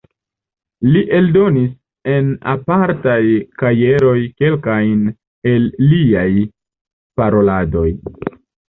Li eldonis en apartaj kajeroj kelkajn el liaj paroladoj.